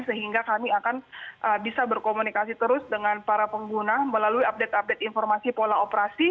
sehingga kami akan bisa berkomunikasi terus dengan para pengguna melalui update update informasi pola operasi